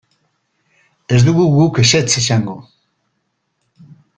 Ez dugu guk ezetz esango.